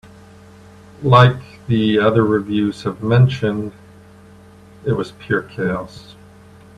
Like the other reviews have mentioned, it was pure chaos.